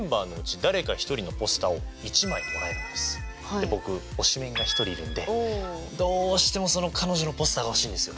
で僕推しメンが１人いるんでどうしてもその彼女のポスターが欲しいんですよ。